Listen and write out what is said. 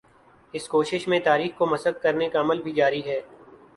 اس کوشش میں تاریخ کو مسخ کرنے کا عمل بھی جاری ہے۔